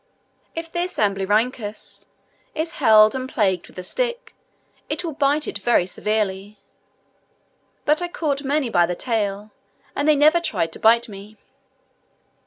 If this Amblyrhynchus is held and plagued with a stick, it will bite it very severely; but I caught many by the tail, and they never tried to bite me.